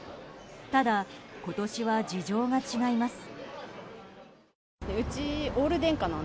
ただ、今年は事情が違います。